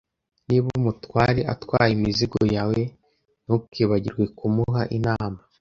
Niba umutwara atwaye imizigo yawe, ntukibagirwe kumuha inama.